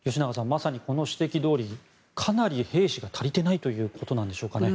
まさにこの指摘どおりかなり兵士が足りていないということなんでしょうかね。